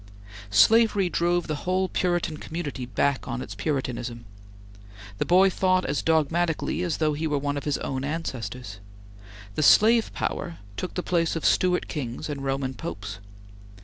Slavery drove the whole Puritan community back on its Puritanism. The boy thought as dogmatically as though he were one of his own ancestors. The Slave power took the place of Stuart kings and Roman popes.